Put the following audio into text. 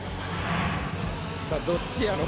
さあどっちやろ？